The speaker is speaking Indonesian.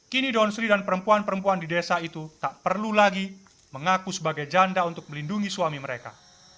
kini donsri dan perempuan perempuan di desa itu tak perlu lagi mengaku sebagai janda untuk melindungi suami mereka